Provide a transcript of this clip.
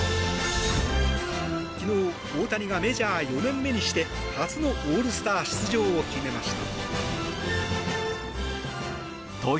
昨日、大谷がメジャー４年目にして初のオールスター出場を決めました。